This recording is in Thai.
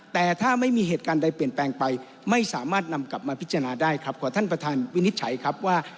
แต่ถ้าไม่มีเหตุการณ์ใดเปลี่ยนแปลงไปไม่สามารถนำกลับมาพิจารณาได้ครับขอท่านประธานวินิจฉัยครับว่า